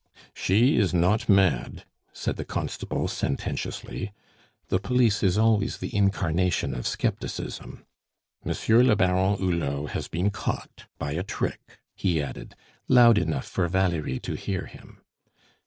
"She is not mad," said the constable sententiously. The police is always the incarnation of scepticism. "Monsieur le Baron Hulot has been caught by a trick," he added, loud enough for Valerie to hear him.